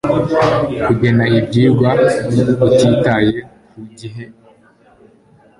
kugena ibyigwa utitaye ku gihe